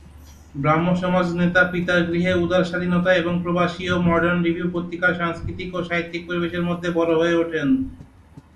ব্রাহ্মসমাজ-নেতা পিতার গৃহে উদার স্বাধীনতা এবং 'প্রবাসী' ও 'মডার্ন রিভিউ' পত্রিকার সাংস্কৃতিক ও সাহিত্যিক পরিবেশের মধ্যে বড়ো হয়ে ওঠেন।